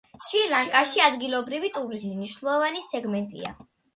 შრი-ლანკაში ადგილობრივი ტურიზმი მნიშვნელოვანი სეგმენტია.